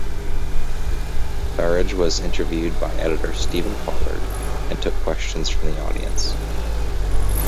Farage was interviewed by editor Stephen Pollard, and took questions from the audience.